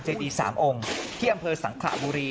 เจดี๓องค์ที่อำเภอสังขระบุรี